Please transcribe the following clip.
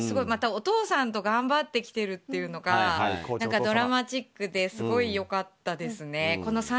またお父さんと頑張ってきているというのがドラマチックですごい良かったですね。